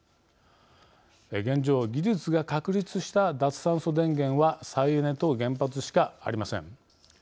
現状、技術が確立した脱炭素電源は再エネと原発しかありません。